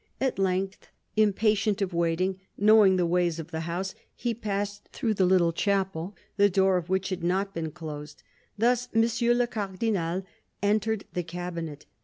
At length, impatient of waiting, knowing the ways of the house, he passed through the little chapel, the door of which had not been closed : thus M. le Cardinal entered the cabinet.